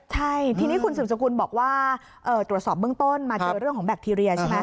ใช่ทีนี้คุณสืบสกุลบอกว่าตรวจสอบเบื้องต้นมาเจอเรื่องของแบคทีเรียใช่ไหม